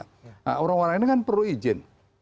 nah orang orang ini kan perlu izin